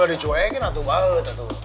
udah dicuekin atuh banget atuh